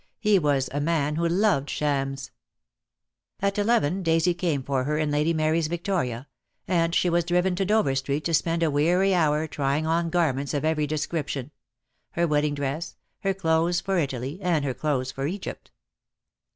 He was a man who loved shams. DEAD LO\T, HAS CHAIN'S. 25 1 At eleven Daisy came for her in Lady Mary's victoria, and she was driven to Dover Street to spend a weary hour trying on garments of every description — her wedding dress — her clothes for Italy — and her clothes for Egypt.